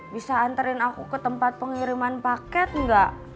bisa antarin aku ke tempat pengiriman paket enggak